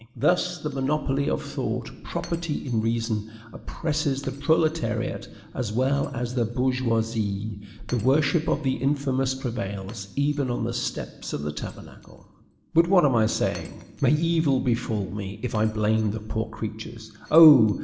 Thus, the monopoly of thought, property in reason, oppresses the proletariat as well as the bourgeoisie. The worship of the infamous prevails even on the steps of the tabernacle. But what am I saying? May evil befall me, if I blame the poor creatures! Oh!